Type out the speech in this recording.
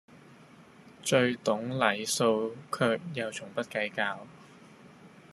最懂禮數卻又從不計較